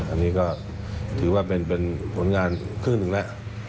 อันนี้ก็ถือว่าเป็นผลงานครึ่งหนึ่งแล้ว